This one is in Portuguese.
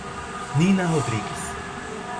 Nina Rodrigues